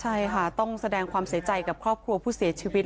ใช่ค่ะต้องแสดงความเสียใจกับครอบครัวผู้เสียชีวิต